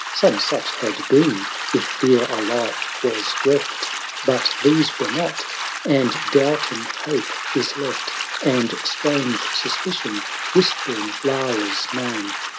Some such had been, if here a life was reft. But these were not — and doubting Hope is left; And strange Suspicion, whispering Lara's name.